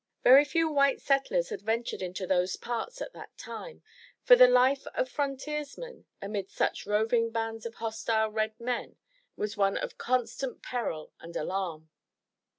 Very few white settlers had ventured into those parts at that time, for the life of frontiersmen amid such roving bands of hostile red men was one of constant peril and alarm.